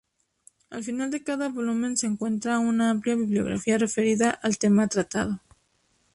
Al final de cada volumen se encuentra una amplia bibliografía referida al tema tratado.